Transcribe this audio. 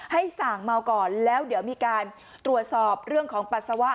ส่างเมาก่อนแล้วเดี๋ยวมีการตรวจสอบเรื่องของปัสสาวะ